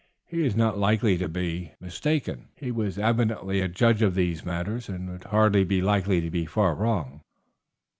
He was not likely to be mistaken. He was evidently a judge of these matters, and would hardly be likely to be far wrong."